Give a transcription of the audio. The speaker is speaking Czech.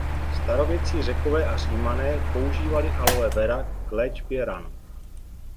Starověcí Řekové a Římané používali Aloe vera k léčbě ran.